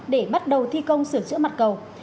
để bắt đầu thi công sửa chữa mặt cầu